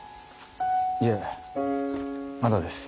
いえまだです。